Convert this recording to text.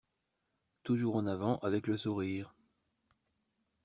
Toujours en avant avec le sourire